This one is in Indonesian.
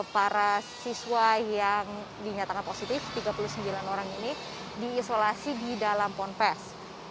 para siswa yang dinyatakan positif tiga puluh sembilan orang ini diisolasi di dalam ponpes